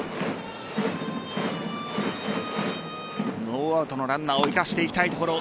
ノーアウトのランナーを生かしていきたいところ。